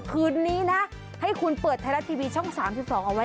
คืนนี้นะให้คุณเปิดไทยรัฐทีวีช่อง๓๒เอาไว้